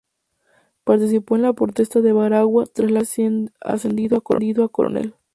Participó en la Protesta de Baraguá, tras la cual fue ascendido a Coronel.